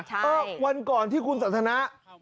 ใช่โอ๊ยวันก่อนที่คุณสันทนาตัว